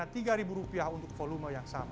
pembelajaran rupiahnya rp tiga untuk volume yang sama